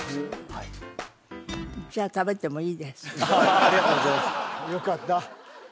はいありがとうございますよかった